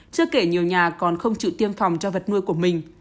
chưa kể nhiều nhà còn không chịu tiêm phòng cho vật nuôi của mình